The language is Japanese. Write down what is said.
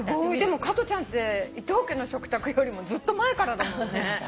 でも加トちゃんって『伊東家の食卓』よりもずっと前からだもんね。